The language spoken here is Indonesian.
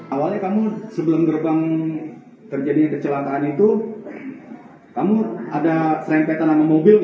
awalnya kamu sebelum gerbang terjadinya kecelakaan itu kamu ada sering peta nama mobil gak